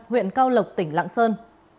huyện cao lộc tỉnh lạng sơn